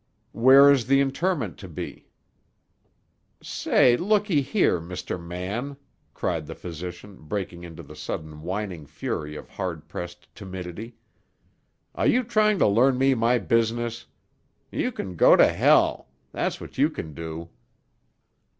"Where is the interment to be?" "Say, looky here, Mr. Man!" cried the physician, breaking into the sudden whining fury of hard pressed timidity. "Are you trying to learn me my business? You can go to hell! That's what you can do!"